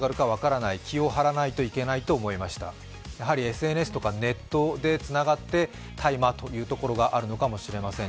ＳＮＳとかネットでつながって大麻ということかもしれません。